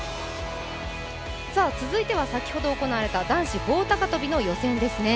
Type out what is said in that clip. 続いては先ほど行われた男子棒高跳の予選ですね。